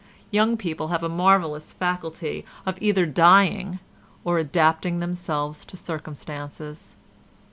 Young people have a marvellous faculty of either dying or adapting themselves to circumstances.